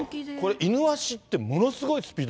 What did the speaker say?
イヌワシって、ものすごいスピード。